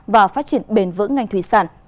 và phát triển bền vững ngành thủy sản